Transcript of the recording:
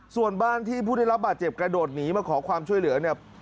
ส่วนบ้านที่ผู้ได้รับบาดเจ็บกระโดดหนีมาขอความช่วยเหลือเนี่ย